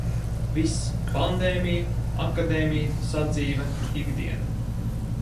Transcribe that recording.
Viss - pandēmija, akadēmija, sadzīve, ikdiena...